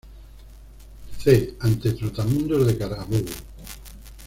C., ante Trotamundos de Carabobo.